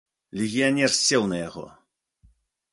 Легіянер сеў на яго.